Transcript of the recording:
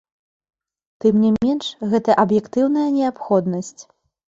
Тым не менш, гэта аб'ектыўная неабходнасць.